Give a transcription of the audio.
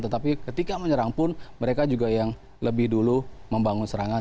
tetapi ketika menyerang pun mereka juga yang lebih dulu membangun serangan